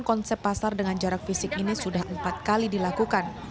konsep pasar dengan jarak fisik ini sudah empat kali dilakukan